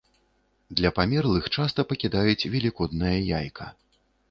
Для памерлых часта пакідаюць велікоднае яйка.